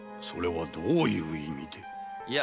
それはどういう意味で？